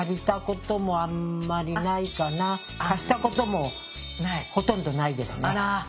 貸したこともほとんどないですね。